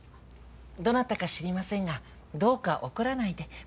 どなたか知りませんがどうか怒らないで。